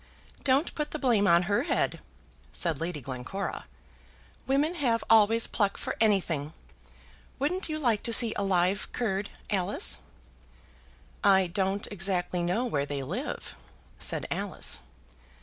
"Don't put the blame on her head," said Lady Glencora. "Women have always pluck for anything. Wouldn't you like to see a live Kurd, Alice?" "I don't exactly know where they live," said Alice.